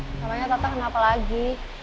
pokoknya tata kenapa lagi